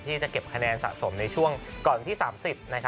ที่จะเก็บคะแนนสะสมในช่วงก่อนวันที่๓๐